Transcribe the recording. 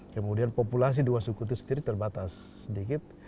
kemudian populasi dua suku itu sendiri terbatas sedikit